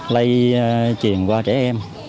lây truyền qua trẻ em